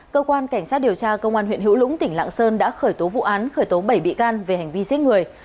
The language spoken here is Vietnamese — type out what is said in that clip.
cơ quan cảnh sát điều tra công an huyện hữu lũng tỉnh lạng sơn đã khởi tố vụ án khởi tố bảy bị can về hành vi giết người